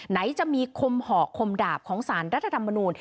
ไหนจะมีคมห่อคมดาบของสารรัฐธรรมนูล